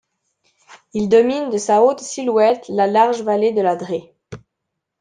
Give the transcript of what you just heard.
Il domine de sa haute silhouette la large vallée de la Drée.